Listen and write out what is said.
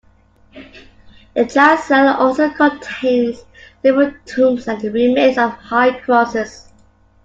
The chancel also contains several tombs and the remains of high crosses.